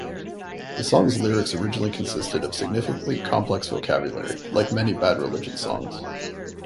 The song's lyrics originally consisted of significantly complex vocabulary, like many Bad Religion songs.